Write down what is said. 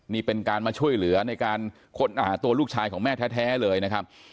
นี่เป็นการมาช่วยเหลือในการค้นหาตัวลูกชายของแม่แท้เลยนะครับ